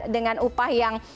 dengan upah yang